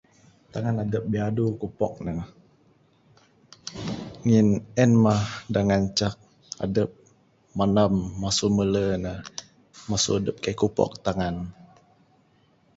Tangan adep biadu kupok ne ngin en mah da ngancak adep manam masu mele ne. Masu adep kaik kupok tangan.